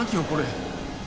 これ。